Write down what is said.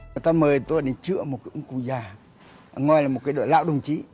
người ta mời tôi đến chữa một cụ già ngoài là một đội lão đồng chí